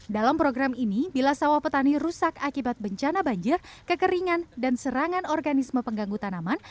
dalam program ini bila sawah petani rusak akibat bencana banjir kekeringan dan serangan organisme pengganggu tanaman